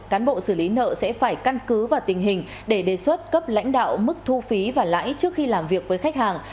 cán bộ xử lý nợ sẽ phải căn cứ vào tình hình để đề xuất cấp lãnh đạo mức thu phí và lãi trước khi làm việc với khách hàng